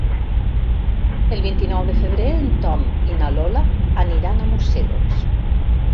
El vint-i-nou de febrer en Tom i na Lola aniran a Museros.